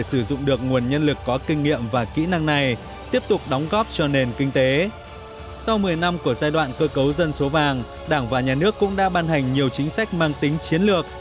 sau một mươi năm của giai đoạn cơ cấu dân số vàng đảng và nhà nước cũng đã ban hành nhiều chính sách mang tính chiến lược